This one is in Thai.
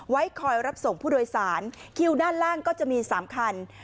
ไว้คอยรับส่งผู้โดยสารคิวด้านล่างก็จะมี๓คัน